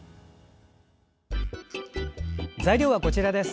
材料はこちらです。